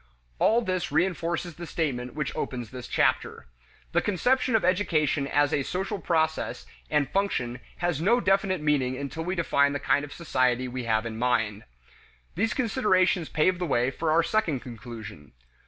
All this reinforces the statement which opens this chapter: The conception of education as a social process and function has no definite meaning until we define the kind of society we have in mind. These considerations pave the way for our second conclusion.